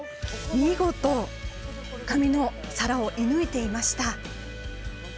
見事、紙の皿を射抜いていました。